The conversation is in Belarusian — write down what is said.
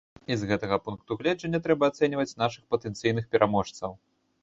І з гэтага пункту гледжання трэба ацэньваць нашых патэнцыйных пераможцаў.